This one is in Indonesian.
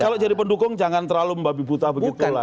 kalau jadi pendukung jangan terlalu mbabibutah begitu lah